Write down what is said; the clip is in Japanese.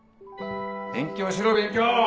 勉強しろ勉強！